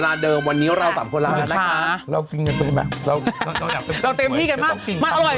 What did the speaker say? ใครเปิดดูหน่อย